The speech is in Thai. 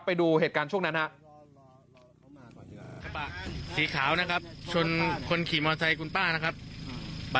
ไปดูเหตุการณ์ช่วงนั้นครับ